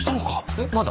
えっまだ。